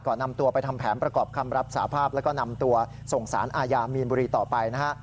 นำตัวไปทำแผนประกอบคำรับสาภาพแล้วก็นำตัวส่งสารอาญามีนบุรีต่อไปนะฮะ